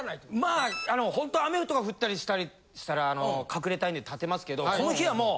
まあほんとは雨とか降ったりしたら隠れたいんでたてますけどこの日はもう。